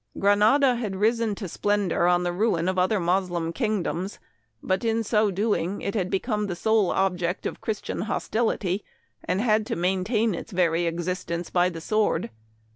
Granada had risen to splendor on the ruin of other Moslem kingdoms, but in so doing had become the sole object of Christian hostility, and had to maintain its very existence by the sword.